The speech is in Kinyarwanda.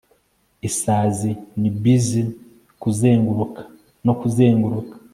isazi ni buzzin '' kuzenguruka no 'kuzenguruka